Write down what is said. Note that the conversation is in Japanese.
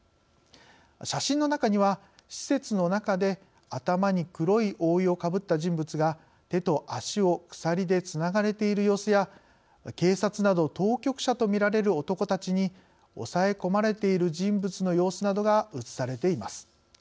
写真の中には、施設の中で頭に黒い覆いをかぶった人物が手と足を鎖でつながれている様子や、警察など当局者とみられる男たちに押さえ込まれている人物の様子などが写されています。